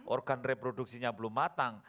organ reproduksinya belum matang